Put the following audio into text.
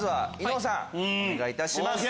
お願いいたします。